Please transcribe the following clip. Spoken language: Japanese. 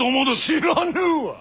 知らぬわ！